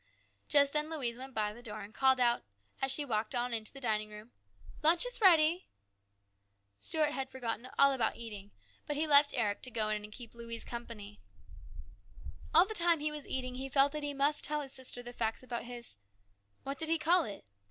Just then Louise went by the door and called out, as she walked on into the dining room, "Lunch is ready !" Stuart had forgotten all about eating, but he left Eric to go in and keep Louise company. All the time he was eating he felt that he must tell his sister the facts about his what did he call it